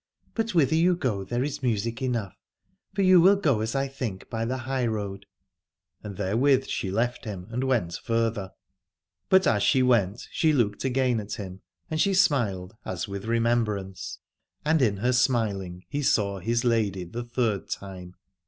But whither you go there is music ■143 Aladore enough : for you will go, as I think, by the high road. And therewith she left him and went further. But as she went she looked again at him, and she smiled as with re membrance : and in her smiling he saw his lady the third time.